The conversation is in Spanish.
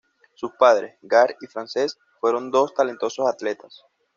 Sus padres, Garth y Frances, fueron dos talentosos atletas.